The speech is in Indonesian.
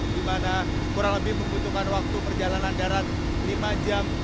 dimana kurang lebih membutuhkan waktu perjalanan darat lima jam